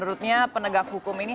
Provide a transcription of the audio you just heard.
jatian epa jayante